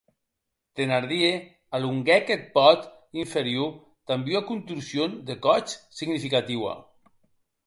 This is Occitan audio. Thenardier alonguèc eth pòt inferior damb ua contorsion de còth significatiua.